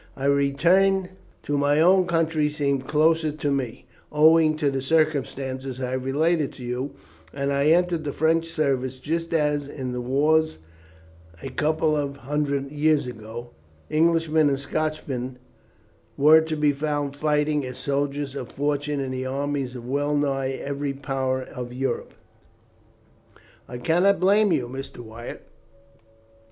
A return to my own country seemed closed to me, owing to the circumstances I have related to you; and I entered the French service, just as, in the wars a couple of hundred years ago, Englishmen and Scotchmen were to be found fighting as soldiers of fortune in the armies of well nigh every power of Europe." "I cannot blame you, Mr. Wyatt.